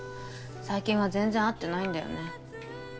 最近は全然会ってないんだよね